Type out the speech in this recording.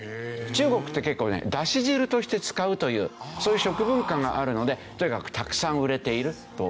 中国って結構ねだし汁として使うというそういう食文化があるのでとにかくたくさん売れているという事ですね。